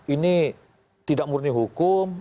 ini tidak murni hukum